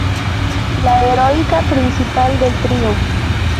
La heroína principal del trío.